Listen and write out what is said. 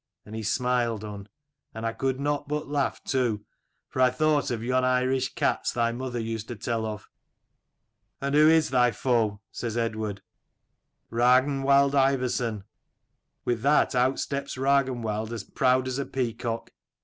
And he smiled, Unn, and I could not but laugh too, for I thought of yon Irish cats thy mother used to tell of. " 'And who is thy foe?' says Eadward. "' Ragnwald Ivarson.' "With that, out steps Ragnwald as proud as a peacock.